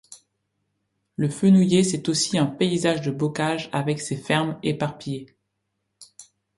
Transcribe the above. Le Fenouiller c'est aussi un paysage de bocage, avec ses fermes éparpillées.